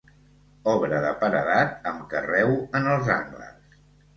Obra de paredat, amb carreu en els angles.